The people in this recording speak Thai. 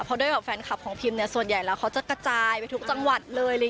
เพราะแฟนคลับของพีมจะส่วนใหญ่ละก็จะกระจายไปทุกจังหวัฒน์เลย